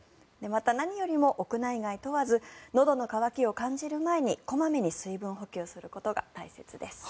また何よりも屋内外問わずのどの渇きを感じる前に小まめに水分補給することが大切です。